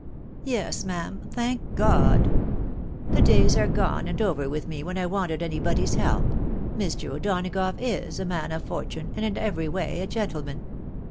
" Yes, ma'am, thank God ! The days are gone and over with me when I wanted anybody's help — ^Mr. O'Donagough is a man of fortune, and in every way a gentleman."